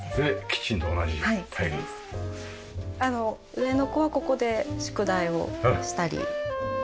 上の子はここで宿題をしたり。